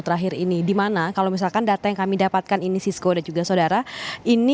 terakhir ini dimana kalau misalkan data yang kami dapatkan ini sisko dan juga saudara ini